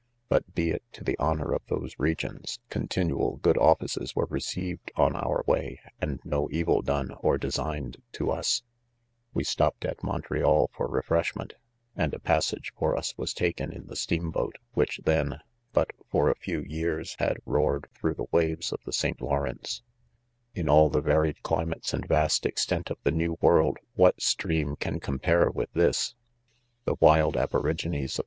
5, but 'lie it t to" the 'honor of those region| 3 ,tio*i|tiniial good, offices , were, received on our way, and no evil, done ; or designed to us. ;:•,..• '"We stopped at Montreal for refreshment'; and' : a; passage for us was; taken^n^tfi^steam° boat, which' then j^trat 'forage w. y 'eaTsfimdrxbarf ed through ~the~wayes "of tke~St Lawrence^— :; 1 In all the varied climates and vast extent d3 78 IDQMEN. of, tlie ne.W' world, ;■ what stream can compare with this'l: .The wild aborigines of